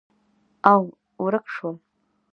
او، ورک شول